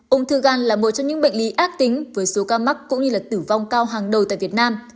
ung thư gan là một trong những bệnh lý ác tính với số ca mắc cũng như là tử vong cao hàng đầu tại việt nam